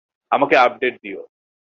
আমাকে আপডেট দিও।